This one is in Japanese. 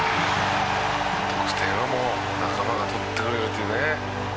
「得点はもう仲間が取ってくれるというね」